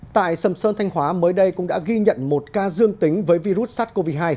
tại sầm sơn thanh hóa mới đây cũng đã ghi nhận một ca dương tính với virus sars cov hai